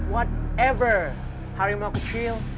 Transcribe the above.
whatever harimau kecil